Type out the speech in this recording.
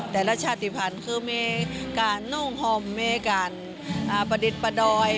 แต่ละชาติภัณฑ์คือมีการนุ่งห่มมีการประดิษฐ์ประดอย